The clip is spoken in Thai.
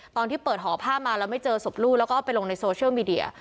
ตอนที่เปิดห่อผ้ามาแล้วไม่เจอศพลูกแล้วก็เอาไปลงในโซเชียลมีเดีย